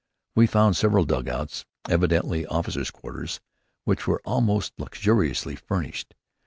We found several dugouts, evidently officers' quarters, which were almost luxuriously furnished.